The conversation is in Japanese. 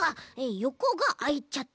よこがあいちゃって。